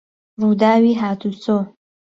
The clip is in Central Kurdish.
ڕووداوی هاتووچۆ